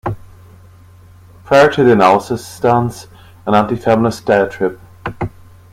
Prior to the analysis stands an antifeminist diatrib.